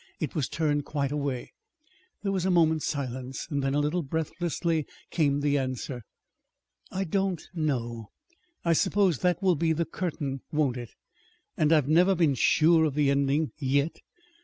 It was turned quite away. There was a moment's silence; then, a little breathlessly, came the answer. "I don't know. I suppose that will be the 'curtain,' won't it? And I've never been sure of the ending yet.